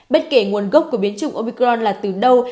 bất kể nguồn gốc của biến chủng opicron là từ đâu